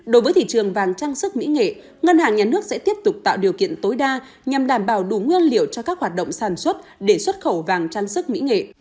đối với thị trường vàng trang sức mỹ nghệ ngân hàng nhà nước sẽ tiếp tục tạo điều kiện tối đa nhằm đảm bảo đủ nguyên liệu cho các hoạt động sản xuất để xuất khẩu vàng trang sức mỹ nghệ